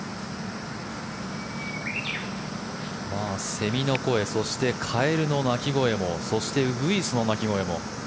セミの声そしてカエルの鳴き声もそして、ウグイスの鳴き声も。